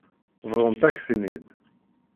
Bḍant-ak-ten-id.